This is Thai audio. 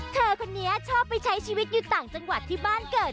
เธอคนนี้ชอบไปใช้ชีวิตอยู่ต่างจังหวัดที่บ้านเกิด